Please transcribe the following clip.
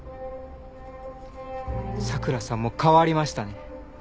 佐倉さんも変わりましたね。